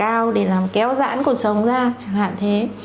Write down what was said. làm sao để làm kéo dãn cuộc sống ra chẳng hạn thế